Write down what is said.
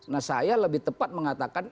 nah saya lebih tepat mengatakan